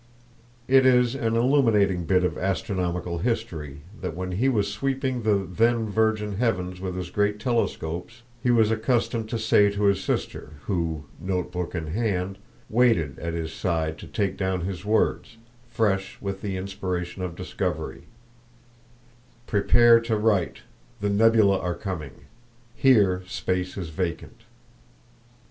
It is an illuminating bit of astronomical history that when he was sweeping the then virgin heavens with his great telescopes he was accustomed to say to his sister who, note book in hand, waited at his side to take down his words, fresh with the inspiration of discovery: "Prepare to write; the nebulæ are coming; here space is vacant."